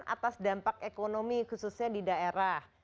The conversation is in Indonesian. atas dampak ekonomi khususnya di daerah